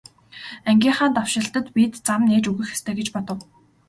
Ангийнхаа давшилтад бид зам нээж өгөх ёстой гэж бодов.